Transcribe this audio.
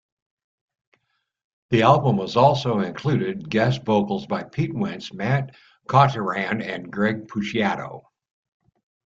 The album also included guest vocals by Pete Wentz, Matt Caughthran and Greg Puciato.